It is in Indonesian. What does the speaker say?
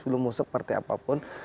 belum masuk partai apapun